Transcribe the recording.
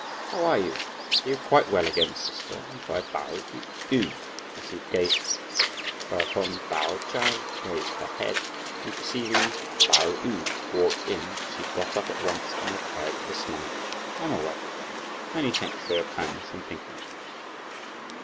"How are you? are you quite well again, sister?" inquired Pao yü, as he gazed at her; whereupon Pao Ch'ai raised her head, and perceiving Pao yü walk in, she got up at once and replied with a smile, "I'm all right again; many thanks for your kindness in thinking of me."